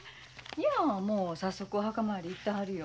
いやもう早速お墓参り行ってはるよ。